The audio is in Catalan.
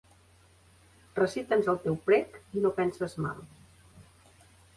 Recita'ns el teu prec i no penses mal.